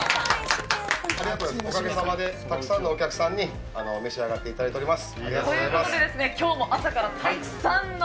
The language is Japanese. おかげさまで、たくさんのお客さんに召し上がっていただいております。